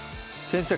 先生